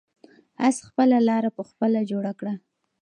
آس خپله لاره په خپله جوړه کړه.